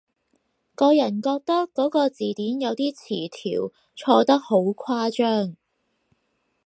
個人覺得嗰個字典有啲詞條錯得好誇張